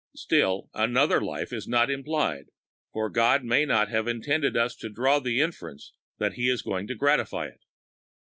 Still, another life is not implied, for God may not have intended us to draw the inference that He is going to gratify it.